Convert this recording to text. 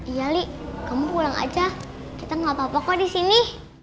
iya li kamu pulang aja kita gak apa apa kok disini